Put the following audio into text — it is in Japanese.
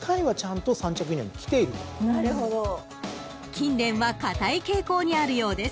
［近年は堅い傾向にあるようです］